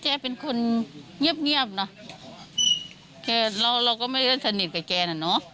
แจเป็นคนเงียบนะเราก็ไม่ได้สนิทกับแจนะเนาะ